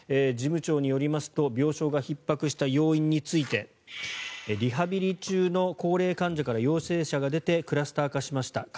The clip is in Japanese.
事務長によりますと病床がひっ迫した要因についてリハビリ中の高齢患者から陽性者が出てクラスター化しました。